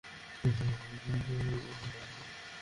তারপর আবার একদিন এগুলোর ব্যাপারে তার যা ইচ্ছা তাই করবেন।